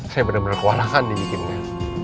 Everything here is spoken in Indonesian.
saya bener bener kewalangan dibikinnya